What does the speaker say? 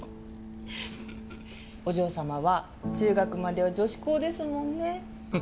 お嬢様は中学までは女子校ですものね。